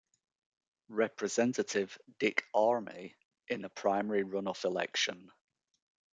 Representative Dick Armey, in a primary runoff election.